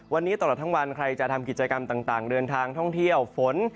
วันนี้ตลอดทั้งวันใครจะทำกิจกรรมต่างเดินทางท่องเที่ยวฝน